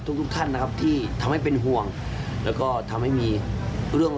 ทุกทุกท่านนะครับที่ทำให้เป็นห่วงแล้วก็ทำให้มีเรื่อง